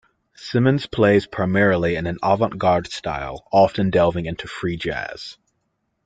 Simmons plays primarily in an avant-garde style, often delving into free jazz.